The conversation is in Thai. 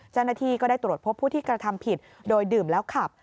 เจ้าหน้าที่ก็ได้ตรวจพบผู้ที่กระทำผิดโดยดื่มแล้วขับ